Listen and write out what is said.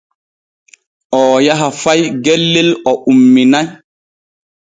Oo yaha fay gellel o umminay.